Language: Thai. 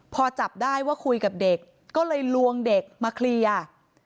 พอจับได้ว่าคุยกับเด็กก็เลยลวงเด็กมาเคลียร์